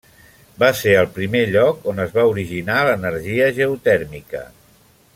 Va ser el primer lloc on es va originar l'energia geotèrmica.